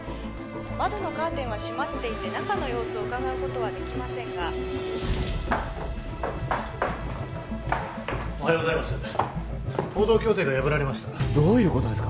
窓のカーテンは閉まっていて中の様子をうかがうことはできませんがおはようございます報道協定が破られましたどういうことですか！？